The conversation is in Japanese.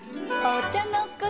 お茶の子